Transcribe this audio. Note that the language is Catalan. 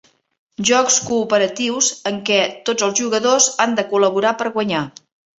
Jocs cooperatius en què tots els jugadors han de col·laborar per guanyar.